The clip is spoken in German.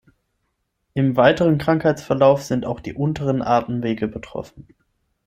Im weiteren Krankheitsverlauf sind auch die unteren Atemwege betroffen.